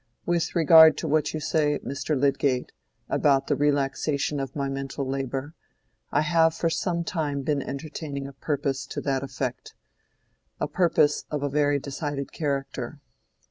"With regard to what you say, Mr. Lydgate, about the relaxation of my mental labor, I have for some time been entertaining a purpose to that effect—a purpose of a very decided character.